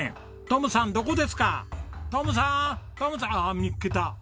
トムさんああ見つけた。